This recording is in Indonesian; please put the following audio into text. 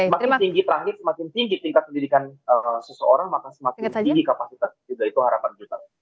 makin tinggi perangnya semakin tinggi tingkat pendidikan seseorang maka semakin tinggi kapasitas juga itu harapan kita